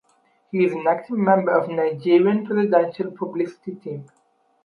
He is an active member of Nigerian presidential publicity team.